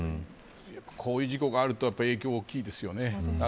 こういう事故があると影響は大きいですよね。